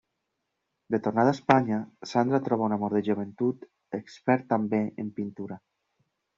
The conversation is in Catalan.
De tornada a Espanya, Sandra troba un amor de joventut, expert també en pintura.